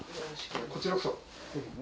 こちらこそ。